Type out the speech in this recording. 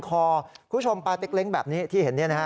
คุณผู้ชมปลาเต็กเล้งแบบนี้ที่เห็น